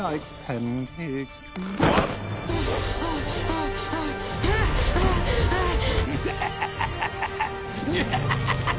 ヌハハハハ。